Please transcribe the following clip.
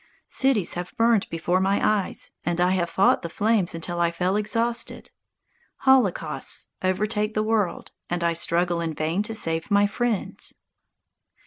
Cities have burned before my eyes, and I have fought the flames until I fell exhausted. Holocausts overtake the world, and I struggle in vain to save my friends.